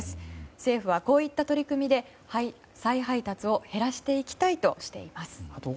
政府はこういった取り組みで再配達を減らしていきたいとしています。